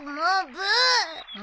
ブー。